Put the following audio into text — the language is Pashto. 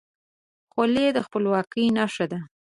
خولۍ د خپلواکۍ نښه ده.